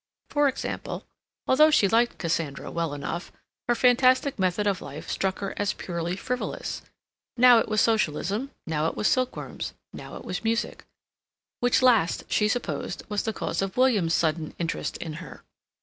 For example, although she liked Cassandra well enough, her fantastic method of life struck her as purely frivolous; now it was socialism, now it was silkworms, now it was music—which last she supposed was the cause of William's sudden interest in her.